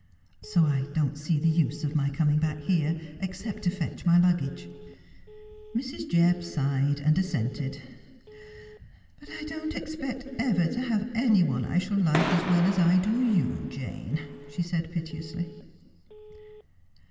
So I don't see the use of my coming back here, except to fetch my luggage.' Mrs. Jebb sighed, and assented. ' But I don't expect ever to have any one I shall like as well as I do you, Jane,' she said piteously.